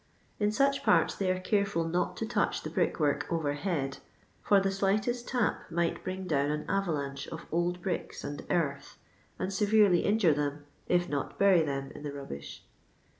In such parts they are careful not to touch the brick work over head, for the slightest tap might bring down an avalanche of old bricks and earth, and severely injure them, if not bury them in the rubbish.